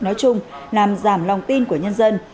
nói chung làm giảm lòng tin của nhân dân